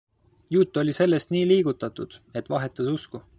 Juut oli sellest nii liigutatud, et vahetas usku.